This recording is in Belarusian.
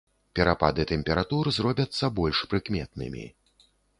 Перапады тэмператур зробяцца больш прыкметнымі.